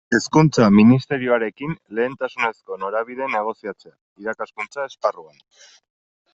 Hezkuntza Ministerioarekin lehentasunezko norabideen negoziatzea, irakaskuntza esparruan.